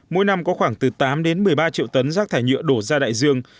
mỗi năm có khoảng từ tám đến một mươi ba triệu tấn rác thải nhựa đổ ra đại dương